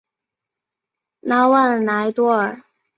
拉旺莱多尔。